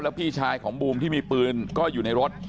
พี่ชายของบูมที่มีปืนก็อยู่ในรถ